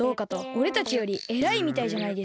おれたちよりえらいみたいじゃないですか。